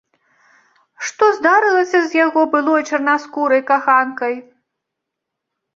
Што здарылася з яго былой чарнаскурай каханкай?